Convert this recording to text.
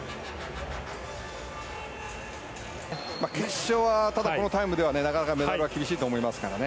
決勝はただこのタイムではなかなかメダルは厳しいと思いますからね。